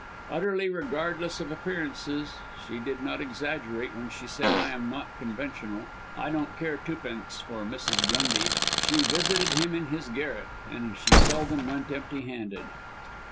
Utterly regardless of appearances she did not exaggerate when she said, "I am not conventional; I don't care twopence for Mrs. Grundy." She visited him in his garret, and she seldom went empty handed.